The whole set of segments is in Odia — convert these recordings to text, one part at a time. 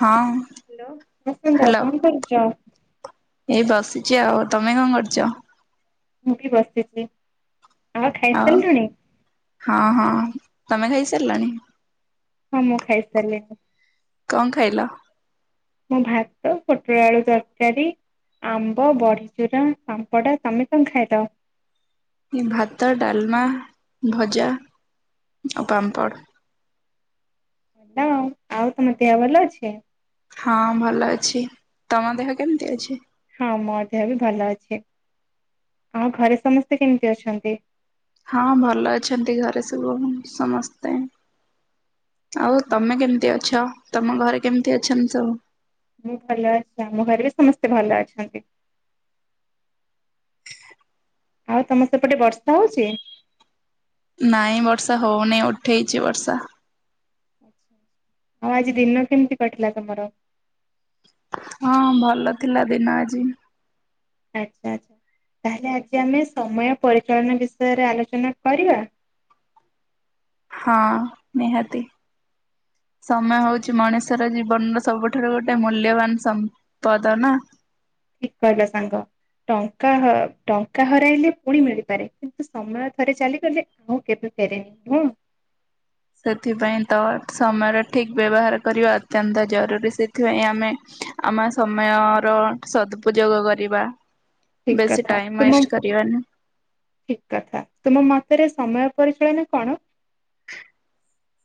ହଁ। ହ୍ୟାଲୋ, ହଁ ସାଙ୍ଗ କଁ କରୁଛ? ଏଇ ବସିଚି ଆଉ ତମେ କଣ କରୁଚ? ମୁଁ ବି ବସିଚି। ଆଉ ହଁ ହଁ ତମେ ଖାଇ ସାରିଲଣି? ହଁ ମୁଁ ଖାଇ ସାରିଲିିଣି। କଣ ଖାଇଲ? ମୁଁ ଭାତ ପୋଟଳ ଆଳୁ ତରକାରୀ ଆମ୍ବ ବଡ଼ିଚୁରା ପାମ୍ପଡ଼, ତମେ କଣ ଖାଇଲ? ମୁଁ ଭାତ ଡାଲ୍ମା ଭଜା ଆଉ ପାମ୍ପଡ଼୍। ମାଡ ଆଉ ତମ ଦେହ ଭଲ ଅଛି। ହଁ ଭଲ ଅଛି ତମ ଦେହ କେମ୍ତି ଅଛି। ହଁ ମୋ ଦେହ ବି ଭଲ ଅଛି ଆଉ ଘରେ ସମସ୍ତେ କେମ୍ତି ଅଛନ୍ତି। ହଁ ଭଲ ଅଛନ୍ତି ଘରେ ସବୁ ସମସ୍ତେ। ଆଉ ତମେ କେମ୍ତି ଅଛ ତମ ଘରେ କେମ୍ତି ଅଛନ୍ତି ସବୁ। ମୁଁ ଭଲ ଅଛି ଆମ ଘରେ ବି ସମସ୍ତେ ଭଲ ଅଛନ୍ତି। ଆଉ ତମ ସେପଟେ ବର୍ଷା ହଉଚି। ନାଇଁ ବର୍ଷା ହଉନି ଉଠେଇଚି ବର୍ଷା। ଆଚ୍ଛା ଆଚ୍ଛା ଆଉ ଆଜି ଦିନ କେମ୍ତି କଟିଲା ତମର। ହଁ ଭଲ ଥିଲା ଦିନ ଆଜି। ଆଚ୍ଛା ଆଚ୍ଛା ତାହେଲେ ଆଜି ଆମେ ସମୟ ପରିଚାଳନା ବିଷୟରେ ଆଲୋଚନା କରିବା। ହଁ ନିହାତି ସମୟ ହଉଚି ମଣିଷ୍ ଷର ଜୀବନର ସବୁଠାରୁ ଗୋଟେ ମୂଲ୍ୟବାନ ସମ୍ପଦ ନା। ଠିକ୍ କହିଲ ସାଙ୍ଗ। ଟଙ୍କା ହ ଟଙ୍କା ହରାଇଲେ ପୁଣି ମିଳିପାରେ କିନ୍ତୁ ସମୟ ଥରେ ଚାଲିଗଲେ। ହଉ କେବେ ଫେରେ ନା। ସେଥିପାଇଁ ତ ସମୟର ଠିକ୍ ବ୍ୟବହାର କରିବା ଅତ୍ୟନ୍ତ ଜରୁରୀ ସେ ସେଥିପାଇଁ ଆମେ ଆମ ସମୟର ସଦ୍ପୁଯୋଗ କରିବା। ଠିକ୍ କଥା ତୁମ ଠିକ୍ କଥା ତୁମ ମତରେ ସମୟ ପରିଚାଳନା କଣ।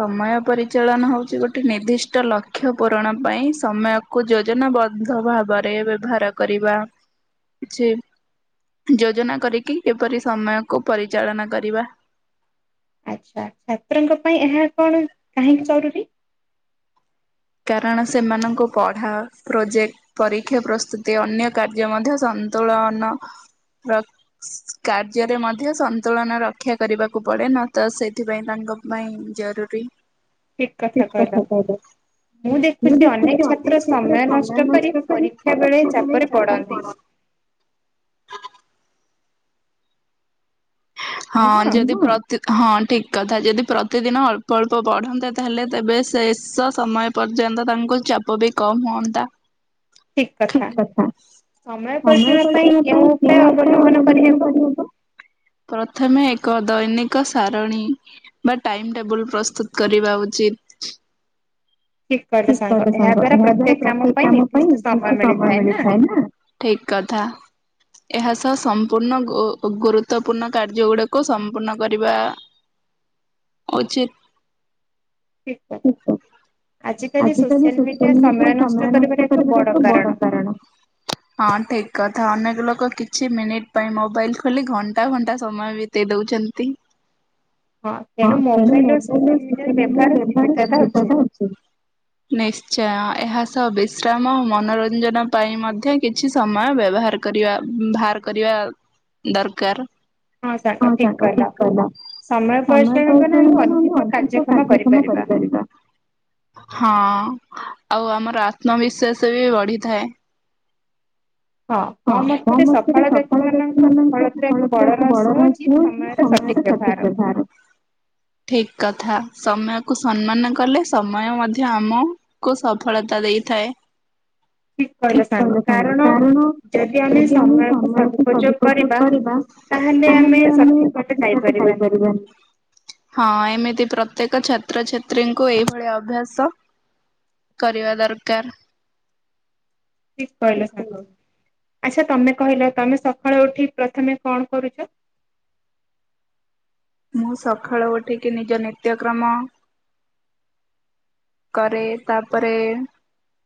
ସମୟ ପରିଚାଳନା ହଉଚି ଗୋଟେ ନିର୍ଦ୍ଦିଷ୍ଟ ଲକ୍ଷ୍ୟ ପୂରଣ ପାଇଁ ସମୟ କୁ ଯୋଜନା ବଦ୍ଧ ଭାବରେ ବ୍ୟବହାର କରିବା ଯେ ଯୋଜନା କରିକି କିପରି ସମୟକୁ ପରିଚାଳନା କରିବା। ଆଚ୍ଛା ଛାତ୍ରିଙ୍କ ପାଇଁ ଏହା କଣ କାହିଁକି ଜରୁରୀ। କାରଣ ସେମାନଙ୍କୁ ପଢ଼ା ପ୍ରୋଜେକ୍ଟ୍। ପରୀକ୍ଷା ପ୍ରସ୍ତୁତି ଅନ୍ୟ କାର୍ଯ୍ୟ ମଧ୍ୟ ସନ୍ତୁଳନ ର କାର୍ଯ୍ୟରେ ମଧ୍ୟ ସନ୍ତୁଳନ ରକ୍ଷା କରିବାକୁ ପଡେ ନ ତ ସେଥିପାଇଁ ତାଙ୍କ ବାଇଁ ଜରୁରୁୀ। ଠିକ୍ କଥା କହିଲ। ମୁଁ ଦେଖୁଚି ଅନେକ୍ ଛାତ୍ର ସମୟ ନଷ୍ଟ କରି ପରୀକ୍ଷା ବେଳେ ଚାପରେ ପଡନ୍ତି। ହଁ ଯେମ୍ତି ହଁ ଠିକ୍ କଥା ଯଦି ପ୍ରତିଦିନ ଅଳ୍ପ ଅଳ୍ପ ପଢନ୍ତେ ତାହେଲେ ତେବେ ଶେଷ ସମୟ ପର୍ଯ୍ୟନ୍ତ ତାଙ୍କ ଚାପ ବି କମ୍ ହୁଅନ୍ତା। ଠିକ୍ କଥା। ସମୟ ପରିଚାଳନା ପାଇଁ କେଉଁ ଉପାୟ ଅବଲମ୍ବନ କରିହବ। ପ୍ରଥମେ ଏକ ଦୈନିକ ସାରଣୀ। ବା ଟାଇମ୍ ଟେବୁଲ୍ ପ୍ରସ୍ତୁତ କରିବା ଉଚିତ୍। ଠିକ୍ କହିଲ ସାଙ୍ଗ ଏହା ଦ୍ଵାରା ପ୍ରତ୍ୟେକ କାମ ପାଇଁ କିଛି ସମୟ ମିଳିଥାଏ ନା। ଠିକ୍ କଥା। ଏହା ସହ ସମ୍ପୂର୍ଣ୍ଣ ଗୋ ଗୁରୁତ୍ୱପୂର୍ଣ୍ଣ କାର୍ଯ୍ୟ ଗୁଡ଼ିକ ସମ୍ପୂର୍ଣ୍ଣ କରିବା। ଉଚିତ୍। ହି [unintelligible] ଆଜି କାଲି ସୋସିଆଲ୍ ମିଡିଆ ସମୟ ନଷ୍ଟ କରିବାର ଏକ ବଡ କାରଣ। ହଁ ଠିକ୍ କଥା ଅନେକ ଲୋକ କିଛି ମିନିଟ୍ ପାଇଁ ମୋବାଇଲ୍ ଖୋଲି ଘଣ୍ଟା ଘଣ୍ଟା ସମୟ ବି ତେଇ ଦଉଚନ୍ତି। ହଁ ତେଣୁ ମୋବାଇଲ୍ ସୋସିଆଲ୍ ମିଡିଆର ବ୍ୟବହାର ସୀମିତା ଅଛି। ଅଛି। ନିଶ୍ଚୟ ଏହା ସହ ବିଶ୍ରାମ ଓ ମନୋରଞ୍ଜନ ପାଇଁ ମଧ୍ୟ କିଛି ସମୟ ବ୍ୟବହାର କରିବା ବାହାର କରିବା ଦରକାର। ହଁ ସାଙ୍ଗ ଠିକ କହିଲ। ସମୟ ପରିଚାଳନ ଦ୍ୱାରା ଆମେ ଅଧିକ କାର୍ଯ୍ୟକ୍ଷମ କରିପାରିବା। ହଁ ଆଉ ଆମର ଆତ୍ମବିଶ୍ଵାସ ବି ବଢିଥାଏ। ହଁ ମୋ ମତରେ ସଫଳ ବ୍ୟକ୍ତି ମାନଙ୍କୁ ସଫଳତା ଏକ ବଡ ରହସ୍ୟ ହଉଚି ଚି ସମୟର ସଠିକ ବ୍ୟବହାର। ଠିକ କଥା ସମୟ କୁ ସମ୍ମାନ କଲେ ସମୟ ମଧ୍ୟ ଆମକୁ ସଫଳତା ଦେଇଥାଏ। ଠିକ କହିଲ ସାଙ୍ଗ କାରଣ ଯଦି ଆମେ ସମୟକୁ ସଦୁପଯୋଗ କରିବା। ତାହେଲେ ଆମେ ସଠିକ ବାଟ ପାଇପାରିବାନି। ହଁ ଏମିତି ପ୍ରତ୍ୟେକ ଛାତ ତ୍ରଛାତ୍ରୀଙ୍କୁ ଏଇଭଳିଆ ଅଭ୍ୟାସ କରିବା ଦରକାର। ଠିକ କହିଲ ସାଙ୍ଗ ଆଛା ତମେ କହିଲ ତମେ ସକାଳୁ ଉଠି ପ୍ରଥମେ କଣ କରୁଚ? ମୁଁ ସକାଳୁ ଉଠିକି ନିଜ ନିତ୍ୟକ୍ରମ କରେ ତାପରେ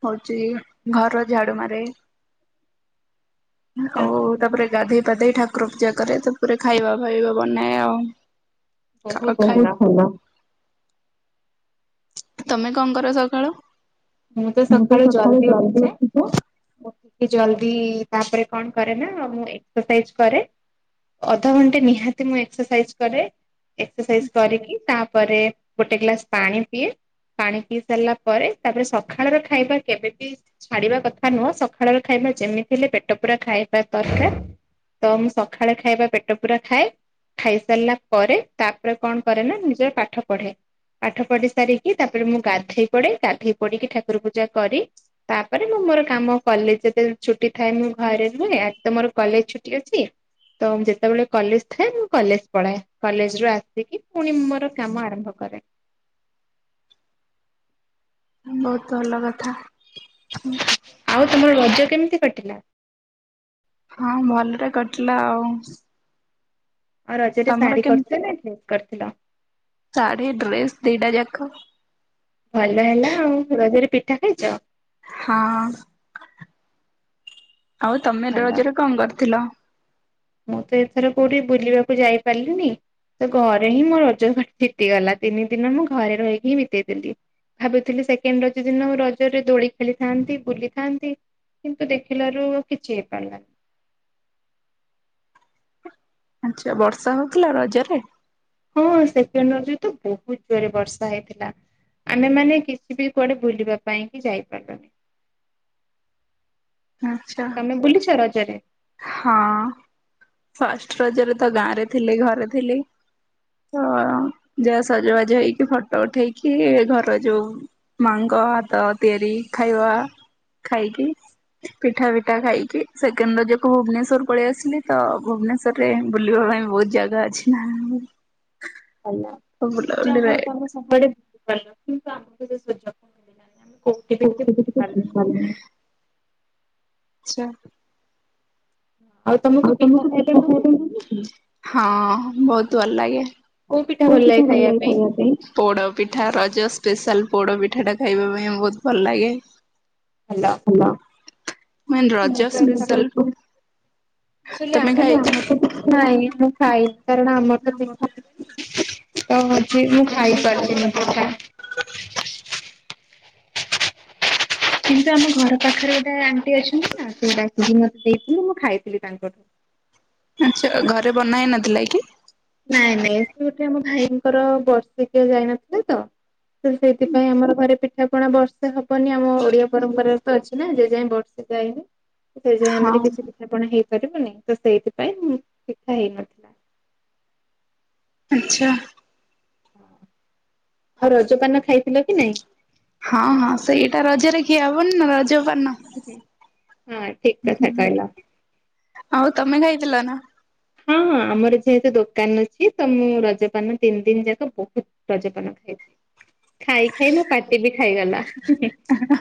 ହଉଚି ଘର ଝାଡୁ ମାରେ। ହଉ ତାପରେ ଗାଧେଇ ପାଧେଇ ଠାକ କୁର ପୂଜା କରେ ତାପରେ ଖାଇବା ଫାଇବା ବନାଏ ଆଉ [unintelligible] ବହୁତ୍ ଭଲ। ତମେ କଣ କର ସକାଳୁ? ମୁଁ ତ ସକାଳୁ ଜଲଦି ଉଠି ଯା ମୁଁ ଟିକେ ଜଲଦି ତାପରେ କଣ କରେ ନା ମୁଁ ଏକ୍ସରସାଇଜ କରେ। ଅଧଘଣ୍ଟେ ନିହାତି ମୁଁ ଏକ୍ସରସାଇଜ କରେ। ଏକ୍ସରସାଇଜ କରିକି ତାପରେ ଗୋଟେ ଗ୍ଲାସ ପାଣି ପିଏ ପାଣି ପିଇ ସାରିଲା ପରେ ତାପରେ ସଖାଳର ଖାଇବା କେବେ ବି ଛାଡିବା କଥା ନୁହଁ ସଖାଳର ଖାଇବା ଯେମିତି ଥିଲେ ପେଟ ପୁରା ଖାଇବା ଦରକାର। ତ ମୁଁ ସଖାଳେ ଖାଇବା ପେଟ ପୁରା ଖାଏ। ଖାଇ ସାରିଲା ପରେ ତାପରେ କଣ କରେ ନା ନିଜର ପାଠ ପଢେ। ପାଠ ପଢି ସାରିକି ତାପରେ ମୁଁ ଗାଧେଇ ପଡେ ଗାଧେଇ ପଡିକି ଠାକୁର ପୂଜା କରି ତାପରେ ମୁଁ ମୋର କାମ କଲେଜ ଯେ ଛୁଟି ଥାଏ ମୁଁ ଘରେ ରୁହେ ଆଜି ତ ମୋର କଲେଜ ଛୁଟି ଅଛି। ତ ଯେତେବେଳେ କଲେଜ ଥାଏ ମୁଁ କଲେଜ ପଳାଏ କଲେଜରୁ ଆସିକି ପୁଣି ମୋର କାମ ଆରମ୍ଭ କରେ। ବହୁତ ଭଲ କଥା। ଆଉ ତମର ରଜ କେମିତି କଟିଲା? ହଁ ଭଲରେ କଟିଲା ଆଉ। ଆଉ ରଜରେ ଶାଢ଼ୀ କରିଥିଲ ନା ଡ୍ରେସ୍ କରିଥିଲ। ଶାଢ଼ୀ, ‌ଡ୍ରେସ ଦିଇଟା ଯାକ। ଭଲ ହେଲା ଆଉ। ରଜରେ ପିଠା ଖାଇଛ? ହଁ ଆଉ ତମେ ରଜରେ କଣ କରିଥିଲ? ମୁଁ ତ ଏଥର କୋଉଠି ବୁଲିବାକୁ ଯାଇପାରିଲିନି। ତ ଘରେ ହିଁ ମୋ ରଜ ବିତିଗଲା ତିନି ଦିନ ମୁଁ ଘରେ ରହିକି ହିଁ ବିତେଇ ଦେଲି। ଭାବିଥିଲି ସେକେଣ୍ଡ ରଜ ଦିନ ରଜରେ ଦୋଳି ଖେଳିଥାନ୍ତି ବୁଲିଥାନ୍ତି। କିନ୍ତୁ ଦେଖିଲାରୁ କିଛି ହେଇପାରିଲାନି। ଆଚ୍ଛା ବର୍ଷା ହଉଥିଲା ରଜରେ? ହଁ ସେକେଣ୍ଡ ରଜ ରେ ତ ବହୁତ ଜୋରେ ବର୍ଷା ହେଇଥିଲା। ଆମେ ମାନେ କିଛି ବି କୁଆଡ଼େ ବୁଲିବା ପାଇଁ କି ଯାଇପାରିଲୁନି। [inaudible] ଆଚ୍ଛା। ତମେ ବୁଲିଛ ରଜରେ? ହଁ, ଫାର୍ଷ୍ଟ ରଜରେ ତ ଗାଁ ରେ ଥିଲି ଘରେ ଥିଲି। ତ ଯାହା ସଜବାଜ ହେଇକି ଫଟୋ ଉଠେଇକି ଘର ଯୋଉ ମା'ଙ୍କ ହାତ ତିଆରି ଖାଇବା। ଖାଇକି ଫିଠା ଭିଠା ଖାଇକି ସେକେଣ୍ଡ ରଜ କୁ ଭୁବନେଶ୍ବର ପଳେଇ ଆସିଲି ତ ଭୁବନେଶ୍ଵର ରେ ବୁଲିବା ପାଇଁ ବହୁତ ଜାଗା ଅଛି ନା। ଆନା ଯାହା ହଉ ତମେ ସବୁଆଡ଼େ ବୁଲିପାରିଲ କିନ୍ତୁ ଆମକୁ ସେ ସୁଯୋଗ ମିଳିଲାନି ଆମେ ଆଛା। ଆଉ ତମ ଆଉ ତମକୁ ପିଠା ଖାଇବା ପାଇଁ ଭଲ ଲାଗେ ହଁ ବହୁତ ଭଲ ଲାଗେ। କୋଉ ପିଠା ଭଲ ଲାଗେ ଖାଇବା ପାଇଁ? ପୋଡ଼ପିଠା ରଜ ସ୍ପେଶାଲ ପୋଡ଼ପିଠାଟା ଖାଇବା ପାଇଁ ବହୁତ ଭଲ ଲାଗେ। ହାଲୋ। ହ୍ୟାଲୋ ମୁଁ କହିଲି ରଜ ସ୍ପେସିଆଲ୍ [unintelligible] ମୁଁ କହିଲି ଆମର ତ କିଛି ସେ [inaudible] କାରଣ ଆମର ତ ପିଠା ତ ହୋଉଛି ମୁଁ ଖାଇପାରିଲିନି ପିଠା। କିନ୍ତୁ ଆମ ଘର ପାଖରେ ଗୋଟେ ଆଣ୍ଟି ଅଛନ୍ତି ନା ସେ ଡାକିକି ମତେ ଦେଇଥିଲେ ମୁଁ ଖାଇଥିଲି ତାଙ୍କଠୁ। ଆଛା ଘରେ ବନା ହେଇ ନ ଥିଲା କି? ନାଇଁ ନାଇଁ ସେ ଗୋଟେ ଆମ ଭାଇଙ୍କର ବର୍ଷିକିଆ ଯାଇ ନଥିଲା ତ ତ ସେଥିପାଇଁ ଆମର ଘରେ ପିଠା ପଣା ବର୍ଷ ସେ ହବନି ଆମ ଓଡିଆ ପରମ୍ପରାରେ ତ ଅଛି ନା ଯେ ଯାଏଁ ବର୍ଷେ ଯାଇନି ସେ ଯାଏଁ ଆମରି କିଛି ବି ତା ପଣ ହେଇପାରିବନି ତ ସେଇଥିପାଇଁ ପିଠା ହେଇନଥିଲା। ଆଛା। ଆଉ ରଜପାନ ଖାଇଥିଲ କି ନାଇଁ? ହଁ ହଁ ସେଇଟା ରଜରେ ଖିଆ ହେବନି ନା ରଜ ପାନ। ହଁ ଠିକ କଥା କହିଲ। ଆଉ ତମେ ଖାଇଥିଲ ନା? ହଁ ହଁ ଆମର ଯେହେତୁ ଦୋକାନ ଅଛି ତ ମୁଁ ରଜପାନ ତିନି ଦିନ ଯାକ ବହୁତ ରଜପାନ ଖାଇଛି ଖାଇ ଖାଇ ମୋ ପାଟି ବି ଖାଇଗଲା। ଆ ହ୍ନା ହା।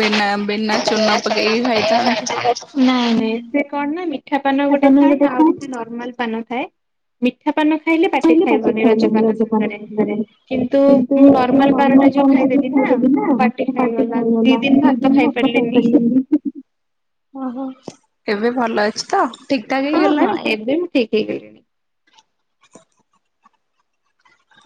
ବିନା ବିନା ଚୂନ ପକେଇ କି ଖାଇଥାନ୍ତୁ। ନାଇଁ ନାଇଁ ସେ କଣ ନା ମିଠା ପାନ ଗୋଟେ ଥାଏ ନା ଆଉ ଗୋଟେ ନର୍ମାଲ ପାନ ଥାଏ ମିଠା ପାନ ଖାଇଲେ ପାଟି ଖାଇବନି ରଜ ପାନ ସାଙ୍ଗେରେ କିନ୍ତୁ ମୁଁ ନର୍ମାଲ ପାନ ଟା ଯୋଉ ଖାଇଦେଲି ନା ମୋ ପାଟି ଖାଇଗଲା ଦି ଦିନ ମୁଁ ଭାତ ଖାଇ ପାରିଲିନି। ଓହୋ ଏବେ ଭଲ ଅଛି ତ ହଁ ହଁ ଏବେ ମୁଁ ଠିକ୍ ହେଇଗଲିଣି।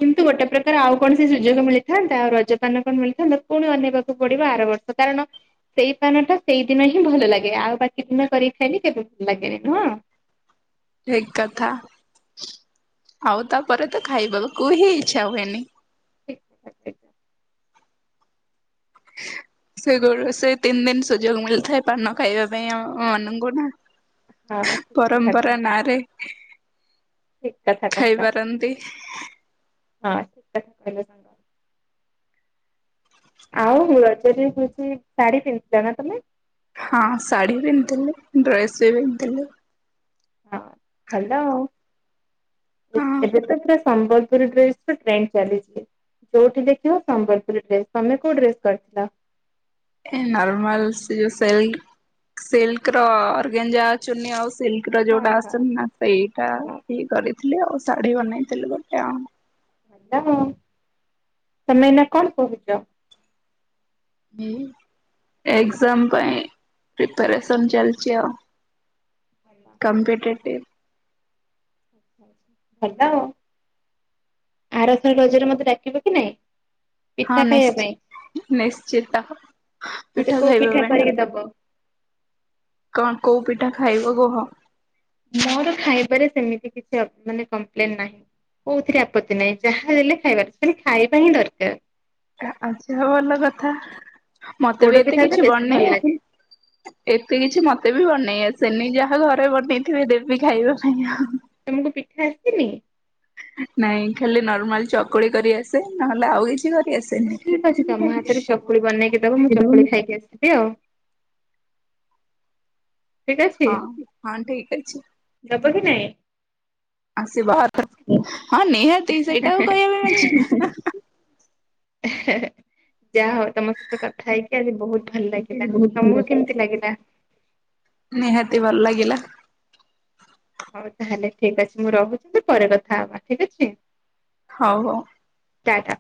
କିନ୍ତୁ ଗୋଟେ ପ୍ରକାର ଆଉ କଣ ସେ ସୁଯୋଗ ମିଳିଥାନ୍ତା। ଆଉ ରଜପାନ କଣ ମିଳିଥାନ୍ତା। ପୁଣି ଅନେଇବାକୁ ପଡିବ ଆର ବର୍ଷକୁ। ତ କାରଣ ସେଇ ପାନ ଟା ସେଇଦିନ ହିଁ ଭଲ ଲାଗେ। ଆଉ ବାକି ଦିନ କରିକି ଖାଇଲେ କେବେ ଭଲ ଲାଗେନି ନୁହ ଠିକ କଥା ଆଉ ତାପରେ ତ ଖାଇବା କୁ ହିଁ ଇଛା ହୁଏନି। [inaudible] ସେ ଦୌଡିବ ସେ ତିନି ଦିନ ସୁଯୋଗ ମିଳିଥାଏ ପାନ ଖାଇବା ପାଇଁ ଆମ ମାନଙ୍କୁ ନା। ପରମ୍ପରା ନାଁ ରେ ଠିକ କଥା କହିଲ ହଁ [unintelligible] ଆଉ ରଜରେ ହଉଚି ଶାଢୀ ପିନ୍ଧିଚ ନା ତମେ ହଁ ଶାଢ଼ୀ ପିନ୍ଧିଥିଲି ଡ୍ରେସ୍ ବି ପିନ୍ଧିଥିଲି। ହଁ ଭଲ ଆଉ ଏ ଏବେ ତ ପୁରା ସମ୍ବଲପୁରୀ ଡ୍ରେସ ଟା ଟ୍ରେଣ୍ଡ ଚାଲିଛି। ଯୋଉଠି ଦେଖିବ ସମ୍ବଲପୁରୀ ଡ୍ରେସ ତମେ କୋଉ ଡ୍ରେସ କରିଥିଲ? ଏ ନର୍ମାଲ ସେ ଯୋଉ ସେଲି ସିଲ୍କ ର ଅର୍ଗେଞ୍ଜା ଚୁନି ଆଉ ସିଲ୍କ ର ଯୋଉଟା ଆସୁନି ନା ସେଇଟା ହି କରିଥିଲି ଆଉ ଶାଢୀ ବନେଇଥିଲି ଗୋଟେ ଆଉ। ହାଲୋ ତମେ ଏନା କଣ କହୁଚ? ହୁଁ। ଏକ୍ଜାମ ପାଇଁ ପ୍ରିପାରେସନ ଚାଲିଚି ଆଉ। କମ୍ପିଟେଟିଭ୍। ଭଲ ଆଉ। ଆରଥର ରଜରେ ମତେ ଡାକିବୁ କି ନାଇଁ? ପିଠା ଖାଇବା ପାଇଁ ମତେ କୋଉ ପିଠା କରିକି ଦବ? କଣ କୋଉ ପିଠା ଖାଇବ କୁହ। ମୋର ଖାଇବାରେ ସେମିତି କିଛି ଅ ମାନେ କମ୍ପ୍ଲେନ ନାହିଁ। କଉଥିରେ ଆପତ୍ତି ନାହିଁ ଯାହା ଦେଲେ ଖାଇବାର ସେ ଖାଇବା ହିଁ ଦରକାର। ଆଛ ହୋଉ ଭଲ କଥା ମତେ ବି ଏତେ କିଛି ବନେଇ ଆସିନି ଏତେ କିଛି ମତେ ବି ବନେଇ ଆସେନି ଯାହା ଘରେ ବନେଇଥିବେ ଦେବି ଖାଇବା ପାଇଁ ଆଉ। ତମକୁ ପିଠା ଆସିନି? ନାଇଁ ଖାଲି ନର୍ମାଲ ଚକୁଳି କରି ଆସେ ନହେଲେ ଆଉ କିଛି କ ଠିକ ଅଛି ତମ ହାତରେ ଚକୁଳି ବେନେଇକି ଦବ ମୁଁ ଚକୁଳି ଖାଇକି ଆସି ବି ଆଉ। ହଁ ହଁ ଠିକଅଛି। ଦବ କି ନାଇଁ? ଆସିବ ହଁ ନିହାତି ସେଇଟାକୁ କହିବା ପାଇଁ ଅଛି ନା। ଯା ହଉ ତମସ ହ କଥା ହେଇକି ଆଜି ବହୁତ ଭଲ ଲାଗିଲା। ତମକୁ କେମିତି ଲାଗିଲା? ନିହାତି ଭଲ ଲାଗିଲା। ହଉ ତାହେଲେ ଠିକ ଅଛି ମୁଁ ରହୁଚି ପରେ କଥା ହବା। ଠିକ ଅଛି? ହଉ ହଉ। ଟା ଟା।